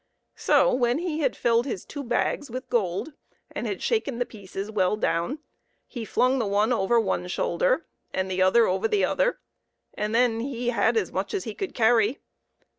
So, when he had filled his two bags with gold, and had shaken the pieces well down, he flung the one over one shoulder, and the other over the other, and then he had as much as he could carry.